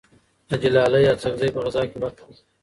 حاجي لالي اڅکزی په غزاکې برخه اخلي.